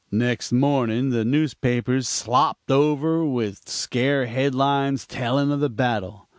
"Next morning the newspapers slopped over with scare headlines telling of the battle.